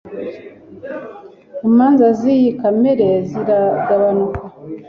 Imanza ziyi kamere ziragabanuka.